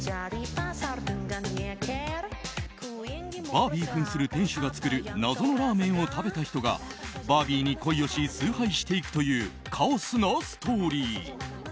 バービー扮する店主が作る謎のラーメンを食べた人がバービーに恋をし崇拝していくというカオスなストーリー。